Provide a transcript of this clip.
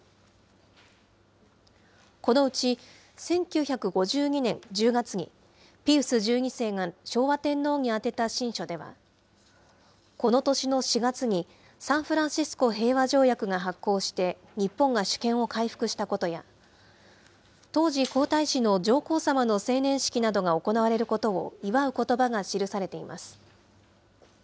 このうち、１９５２年１０月に、ピウス１２世が昭和天皇に宛てた親書では、この年の４月にサンフランシスコ平和条約が発効して日本が主権を回復したことや当時、皇太子の上皇さまの成年式などが行われることを祝うことばが記されています。